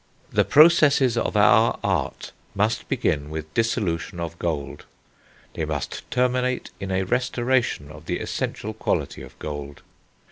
"The processes of our art must begin with dissolution of gold; they must terminate in a restoration of the essential quality of gold."